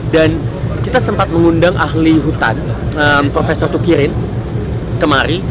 dan kita sempat mengundang ahli hutan profesor tukirin kemari